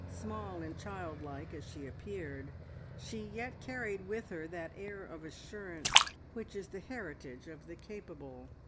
Small and child like as she appeared, she yet carried with her that air of assurance which is the heritage of the capable.